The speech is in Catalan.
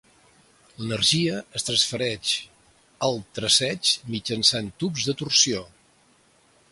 L'energia es transfereix al transeix mitjançant tubs de torsió.